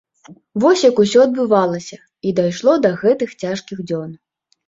Вось як усё адбывалася і дайшло да гэтых цяжкіх дзён.